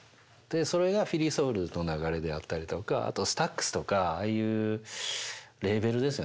それがフィリー・ソウルの流れであったりとかあとスタックスとかああいうレーベルですよね。